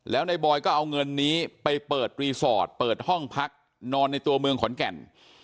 แล้วในบอยก็เอาเงินนี้ไปเปิดรีสอร์ทเปิดห้องพักนอนในตัวเมืองขอนแก่น